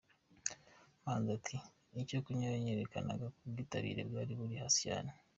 Manzi ati “Icyo kinyuranyo kerekanaga ko ubwitabire bwari buri hasi cyane.